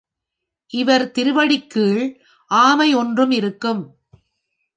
இவர் திருவடிக் கீழ் ஆமை ஒன்றும் இருக்கும்.